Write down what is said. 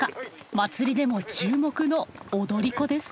祭りでも注目の踊り子です。